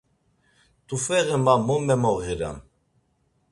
T̆ufeği ma mo memoğiram.